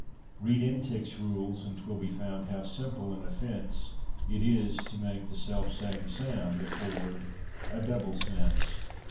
Read Entick's rules, and 'twill be found, how simple an offence It is to make the self same sound afford a double sense.